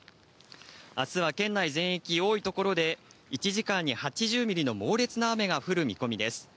あすは県内全域、多い所で、１時間に８０ミリの猛烈な雨が降る見込みです。